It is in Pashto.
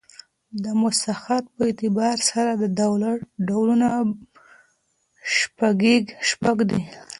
د مساحت په اعتبار سره د دولت ډولونه شپږ دي.